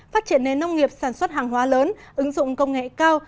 phát triển nền nông nghiệp sản xuất hàng hóa lớn ứng dụng công nghệ cao